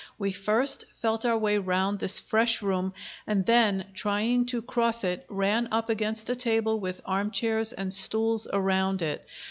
We first felt our way round this fresh room, and then, trying to cross it, ran up against a table with arm chairs and stools around it.